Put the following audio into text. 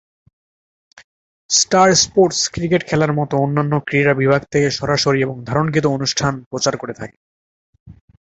Star Sports cricket খেলার মত অন্যান্য ক্রীড়া বিভাগ থেকে সরাসরি এবং ধারণকৃত অনুষ্ঠান প্রচার করে থাকে।